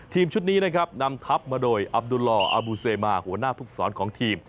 ทีมชุดนี้นะครับนำทัพมาโดยอับดุลออาบูเซมาหัวหน้าภูมิสอนของทีม